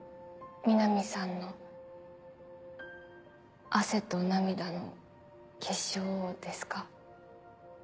南さんの汗と涙の結晶をですか？